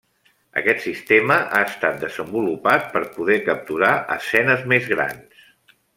Aquest sistema ha estat desenvolupat per poder capturar escenes més grans.